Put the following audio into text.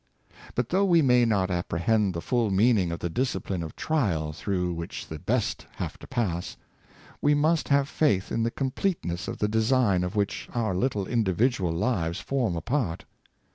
But though we may not apprehend the full mean ing of the discipline of trial through which the best have to pass, we must have faith in the completeness of the design of which our little individual lives form a part.